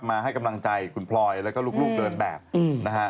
มาให้กำลังใจคุณพลอยแล้วก็ลูกเดินแบบนะฮะ